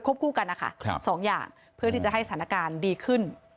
คู่กันนะคะสองอย่างเพื่อที่จะให้สถานการณ์ดีขึ้น